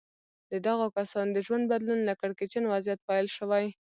د دغو کسانو د ژوند بدلون له کړکېچن وضعيت پيل شوی.